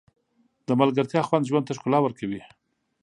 د ملګرتیا خوند ژوند ته ښکلا ورکوي.